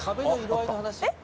えっ？